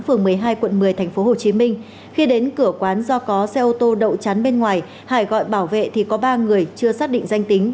phường một mươi hai quận một mươi tp hcm khi đến cửa quán do có xe ô tô đậu chắn bên ngoài hải gọi bảo vệ thì có ba người chưa xác định danh tính